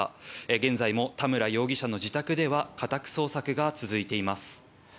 現在も田村容疑者の自宅では家宅捜索が続いています。